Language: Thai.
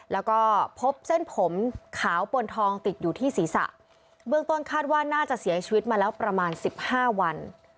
แล้วก็พบเส้นผมขาวปนทองติดอยู่ที่ศีรษะเบื้องต้นคาดว่าน่าจะเสียชีวิตมาแล้วประมาณสิบห้าวัน